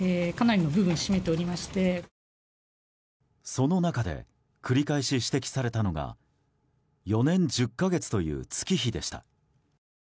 その中で繰り返し指摘されたのが４年１０か月という月日でした。